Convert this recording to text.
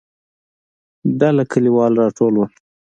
ډله کليوال راټول ول.